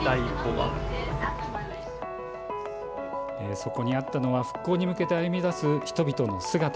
そこにあったのは復興に向けて歩み出す人々の姿。